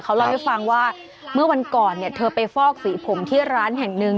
เขาเล่าให้ฟังว่าเมื่อวันก่อนเนี่ยเธอไปฟอกสีผมที่ร้านแห่งหนึ่ง